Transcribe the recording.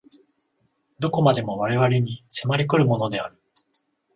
何処までも我々に迫り来るものである。